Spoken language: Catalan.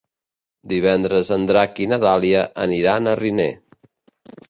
Divendres en Drac i na Dàlia aniran a Riner.